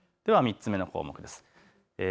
では３つ目の項目です。